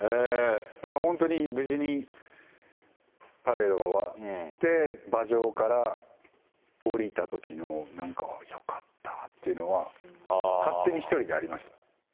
だから本当に、無事にパレードが終わって、馬上から降りたときの、なんか、よかったっていうのは、勝手に１人でありました。